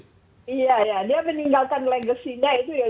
iya dia meninggalkan legasinya itu ya